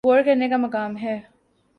غور کرنے کا مقام ہے۔